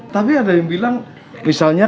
tapi ada yang bilang misalnya